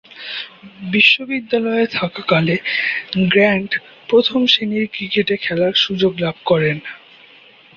বিশ্ববিদ্যালয়ে থাকাকালে গ্র্যান্ট প্রথম-শ্রেণীর ক্রিকেটে খেলার সুযোগ লাভ করেন।